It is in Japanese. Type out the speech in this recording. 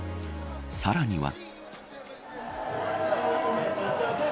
さらには。